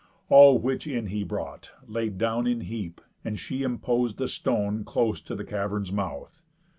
All which in he brought, Laid down in heap; and she impos'd a stone Close to the cavern's mouth.